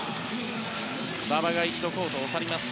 馬場が一度、コートを去ります。